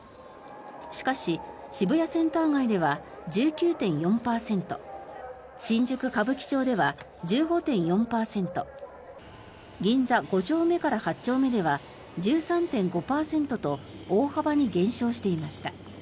しかし、渋谷センター街では１９．４％新宿・歌舞伎町では１５．４％銀座５丁目から８丁目では１３．５％と大幅に減少していました。